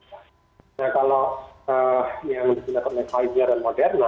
nah kalau yang digunakan oleh pfizer dan moderna